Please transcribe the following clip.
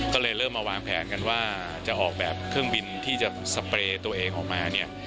ก็เลยเริ่มมาวางแผนกันว่าจะออกแบบเครื่องบินที่จะสเปรย์ตัวเองออกมาเนี่ย